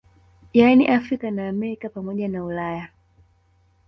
Yani Afrika na Amerika pamoja na Ulaya